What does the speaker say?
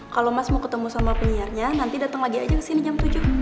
kalau mas mau ketemu sama penyiarnya nanti datang lagi aja kesini jam tujuh